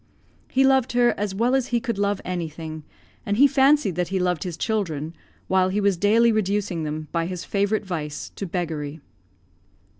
He loved her as well as he could love anything, and he fancied that he loved his children, while he was daily reducing them, by his favourite vice, to beggary.